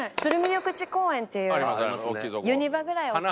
緑地公園っていうユニバぐらいおっきい。